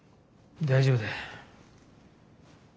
大丈夫だ。